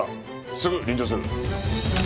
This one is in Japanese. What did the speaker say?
すぐ臨場する。